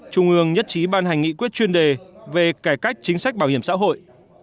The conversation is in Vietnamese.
trung ương nhất trí ban hành nghị quyết chuyên đề về cải cách chính sách bảo hiểm xã hội